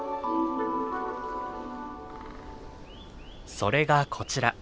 それがこちら。